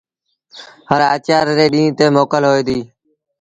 هر آچآر ري ڏيٚݩهݩ تي موڪل هوئي ديٚ۔